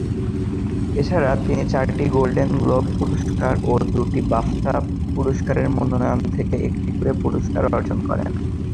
এছাড়া তিনি চারটি গোল্ডেন গ্লোব পুরস্কার ও দুটি বাফটা পুরস্কারের মনোনয়ন থেকে একটি করে পুরস্কার অর্জন করেন।